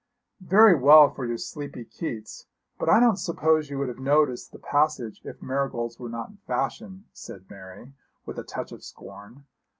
'Very well for your sleepy Keats, but I don't suppose you would have noticed the passage if marigolds were not in fashion,' said Mary, with a touch of scorn.